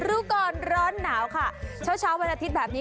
รู้ก่อนร้อนหนาวค่ะเช้าเช้าวันอาทิตย์แบบนี้